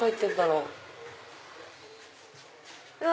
うわ！